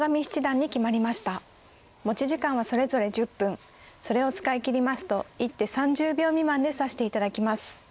持ち時間はそれぞれ１０分それを使い切りますと一手３０秒未満で指していただきます。